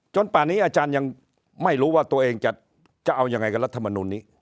ป่านี้อาจารย์ยังไม่รู้ว่าตัวเองจะเอายังไงกับรัฐมนุนนี้